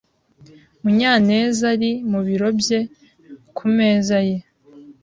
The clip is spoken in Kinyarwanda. Munyanezari mu biro bye ku meza ye.